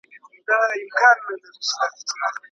آیا طبیعي معافیت د واکسین تر معافیت اوږد دی؟